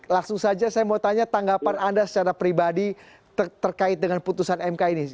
langsung saja saya mau tanya tanggapan anda secara pribadi terkait dengan putusan mk ini